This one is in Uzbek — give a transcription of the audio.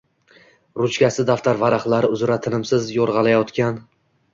ruchkasi daftar varaqlari uzra tinimsiz yoʼrgʼalayotgan